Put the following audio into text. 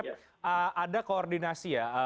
pak ada koordinasi ya